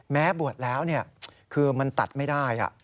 แม้บวชแล้วเนี่ยคือมันตัดไม่ได้